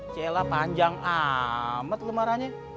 jela panjang amat kemarahnya